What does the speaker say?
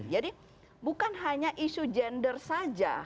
jadi bukan hanya isu gender saja